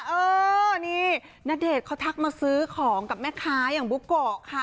เออนี่ณเดชน์เขาทักมาซื้อของกับแม่ค้าอย่างบุโกะค่ะ